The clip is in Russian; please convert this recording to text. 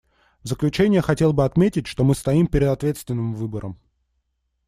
В заключение хотел бы отметить, что мы стоим перед ответственным выбором.